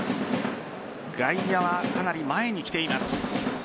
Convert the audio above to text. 外野はかなり前に来ています。